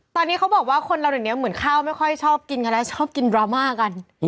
ตอนนี้เขาบอกว่าคนเราเดี๋ยวนี้เหมือนข้าวไม่ค่อยชอบกินกันแล้วชอบกินดราม่ากัน